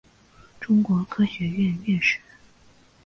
中国科学院院士。